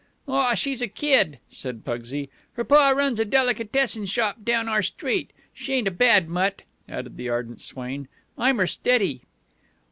"Aw, she's a kid," said Pugsy. "Her pa runs a delicatessen shop down our street. She ain't a bad mutt," added the ardent swain. "I'm her steady."